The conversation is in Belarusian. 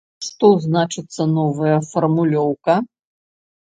Што значыцца новая фармулёўка?